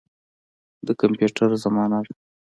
د کمپیوټر زمانه ده.